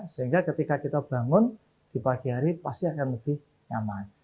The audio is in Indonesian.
sehingga ketika kita bangun di pagi hari pasti akan lebih nyaman